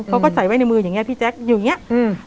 เขาก็ใส่ไว้ในมืออย่างเงี้พี่แจ๊คอยู่อย่างเงี้อืม